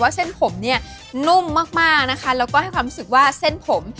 เส้นผมเนี่ยนุ่มมากมากนะคะแล้วก็ให้ความรู้สึกว่าเส้นผม